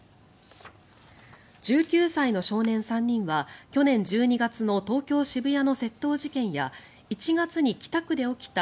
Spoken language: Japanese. １９歳の少年３人は去年１２月の東京・渋谷の窃盗事件や１月に北区で起きた